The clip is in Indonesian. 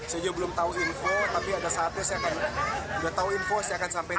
saya juga belum tahu info tapi ada saatnya saya akan udah tahu info saya akan sampai